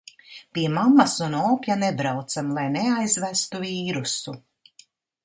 Pie mammas un opja nebraucam, lai neaizvestu vīrusu.